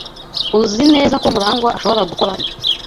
Uzi neza ko Murangwa ashobora gukora ibi?